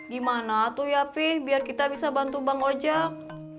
gimana tuh ya pih biar kita bisa bantu bang ojek